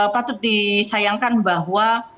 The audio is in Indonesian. patut disayangkan bahwa